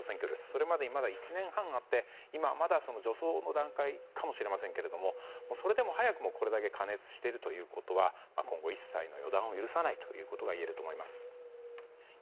それまでにまだ１年半あって今はまだ助走の段階かもしれませんがそれでも早くも、これだけ過熱しているということは今後一切の予断を許さないということが言えると思います。